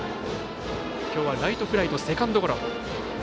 きょうはライトフライとセカンドゴロ。